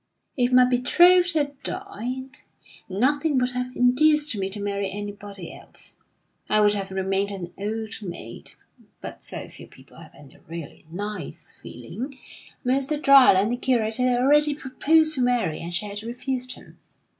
"If my betrothed had died, nothing would have induced me to marry anybody else. I would have remained an old maid. But so few people have any really nice feeling! Mr. Dryland, the curate, had already proposed to Mary, and she had refused him.